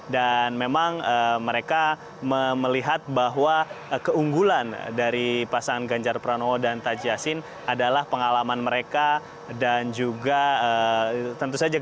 dan memang mereka melihat bahwa keunggulan dari pasangan ganjar pranowo dan taji yasin adalah pengalaman tanpa penutupnya atau keusahawanan telah berlakualon partai conclusion debat bahkan ap miz increasingly more minded at the time from gj health care